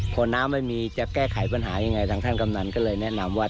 พอน้ำไม่มีจะแก้ไขปัญหายังไงทางท่านกำนันก็เลยแนะนำว่า